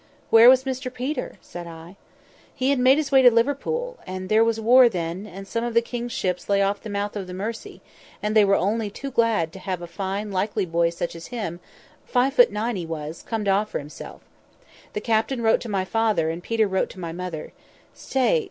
"Where was Mr Peter?" said I. "He had made his way to Liverpool; and there was war then; and some of the king's ships lay off the mouth of the Mersey; and they were only too glad to have a fine likely boy such as him (five foot nine he was), come to offer himself. The captain wrote to my father, and Peter wrote to my mother. Stay!